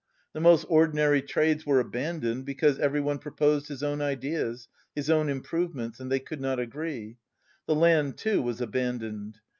The most ordinary trades were abandoned, because everyone proposed his own ideas, his own improvements, and they could not agree. The land too was abandoned.